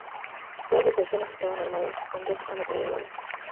Todas sus versiones estaban armadas con dos ametralladoras.